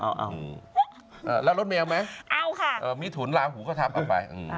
เอาแล้วรถแมวไหมเอาค่ะมิถุนลาหูก็ทับออกไป